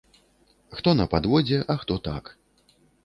Хто на падводзе, а хто так.